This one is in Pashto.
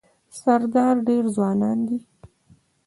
سردار ډېر ځوان دی.